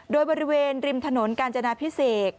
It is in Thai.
โดยบริเวณริมถนนกาญจนาพิเศษ